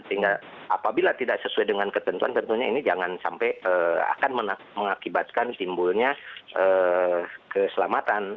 sehingga apabila tidak sesuai dengan ketentuan tentunya ini jangan sampai akan mengakibatkan timbulnya keselamatan